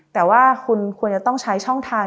แต่ว่าคุณควรจะต้องใช้ช่องทาง